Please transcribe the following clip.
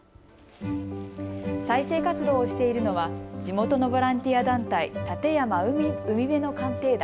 再生活動をしているのは地元のボランティア団体、たてやま海辺の鑑定団。